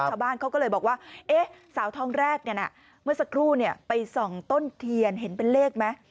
ชาวบ้านเขาก็เลยบอกว่าสาวทองแรกเมื่อสักครู่ไปส่องต้นเทียนเห็นเป็นเลขไหม